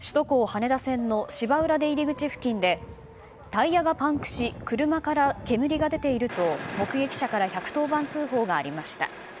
羽田線の芝浦出入り口付近でタイヤがパンクし車から煙が出ていると目撃者から１１０番通報がありました。